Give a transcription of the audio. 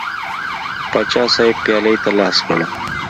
پاچا صاحب پیالې ته لاس کړ.